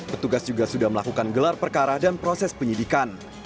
petugas juga sudah melakukan gelar perkara dan proses penyidikan